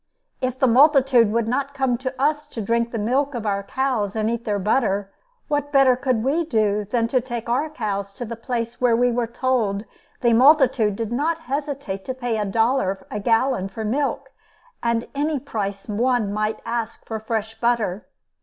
If the multitude would not come to us to drink the milk of our cows and eat their butter, what better could we do than to take our cows to the place where we were told the multitude did not hesitate to pay a dollar a gallon for milk and any price one might ask for fresh butter!